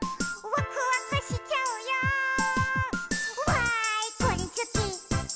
「わーいこれすき！